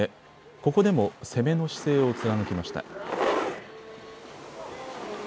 ここでも攻めの姿勢を貫きました。